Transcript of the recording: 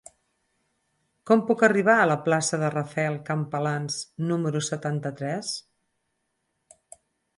Com puc arribar a la plaça de Rafael Campalans número setanta-tres?